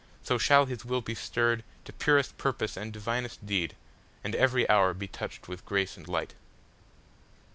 So shall his will be stirredTo purest purpose and divinest deed, And every hour be touched with grace and light.